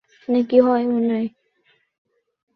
আমি তোমাদিগকে কয়েকটি বিষয় বলিতে ইচ্ছা করি।